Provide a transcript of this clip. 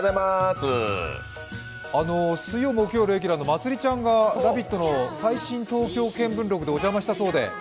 水曜木曜レギュラーのまつりちゃんが「ラヴィット！」の「最新東京見聞録」にお邪魔したそうで。